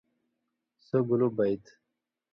سَو گُلُو بَیت؟